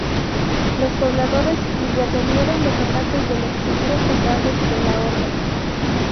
Los pobladores repelieron los ataques de los primeros soldados de la horda.